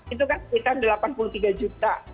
itu kan sekitar delapan puluh tiga juta